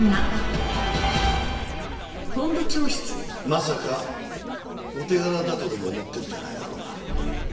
まさかお手柄だとでも思ってるんじゃないだろうな。